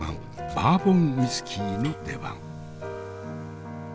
バーボンウイスキーの出番。